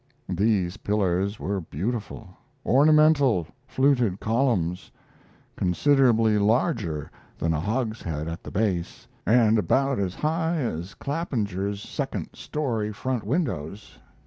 These pillars were beautiful, ornamental fluted columns, considerably larger than a hogshead at the base, and about as high as Clapinger's second story front windows....